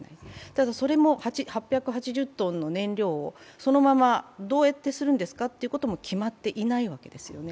ただそれも８８０ｔの燃料をそのままどうやってするんですかということも決まっていないわけですよね。